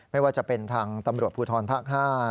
ไม่ว่าจะเป็นทางตำรวจภูทรภาค๕